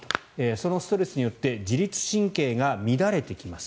そのストレスによって自律神経が乱れてきます。